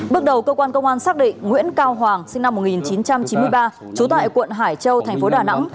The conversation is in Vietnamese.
bước đầu cơ quan công an xác định nguyễn cao hoàng sinh năm một nghìn chín trăm chín mươi ba trú tại quận hải châu thành phố đà nẵng